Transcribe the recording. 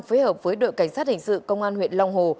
phối hợp với đội cảnh sát hình sự công an huyện long hồ